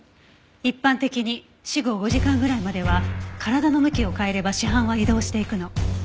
一般的に死後５時間ぐらいまでは体の向きを変えれば死斑は移動していくの。